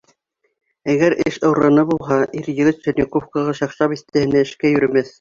Әгәр эш урыны булһа, ир-егет Черниковкаға, Шакша биҫтәһенә эшкә йөрөмәҫ.